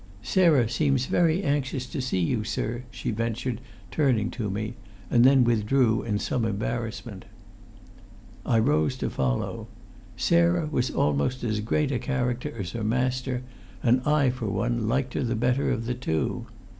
"Sarah seems very anxious to see you, sir," she ventured, turning to me, and then withdrew in some embarrassment. I rose to follow. Sarah was almost as great a character as her master, and I for one liked her the better of the two.